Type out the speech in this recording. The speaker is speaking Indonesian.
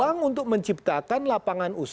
uang untuk menciptakan lapangan kemas